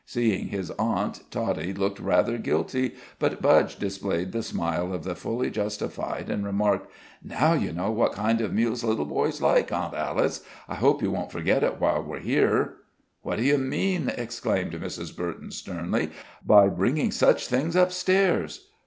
Seeing his aunt, Toddie looked rather guilty, but Budge displayed the smile of the fully justified, and remarked: "Now, you know what kind of meals little boys like, Aunt Alice. I hope you won't forget it while we're here." "What do you mean!" exclaimed Mrs. Burton, sternly, "by bringing such things up stairs?"